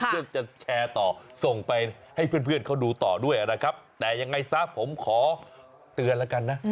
เพื่อจะแชร์ต่อส่งไปให้เพื่อนเขาดูต่อด้วยนะครับแต่ยังไงซะผมขอเตือนแล้วกันนะ